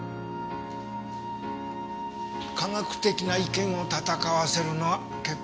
科学的な意見を戦わせるのは結構結構。